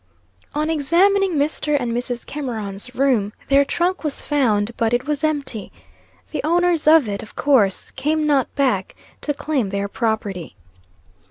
On examining Mr. and Mrs. Cameron's room, their trunk was found, but it was empty. The owners of it, of course, came not back to claim their property.